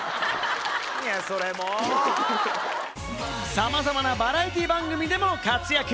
さまざまなバラエティー番組でも活躍。